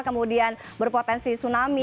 kemudian berpotensi tsunami